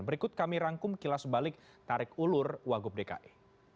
berikut kami rangkum kilas balik tarik ulur wagub dki